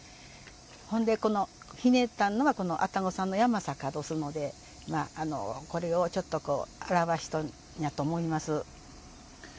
ほんでこのひねってあるのが愛宕山のやまさかどすのでこれをちょっとこう表れてるんやと思います。